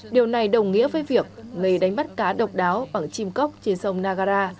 điều này đồng nghĩa với việc nghề đánh bắt cá độc đáo bằng chim cốc trên sông nagara